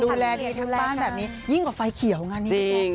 ดูแลในบ้านแบบนี้ยิ่งกว่าไฟเขียวงานนี้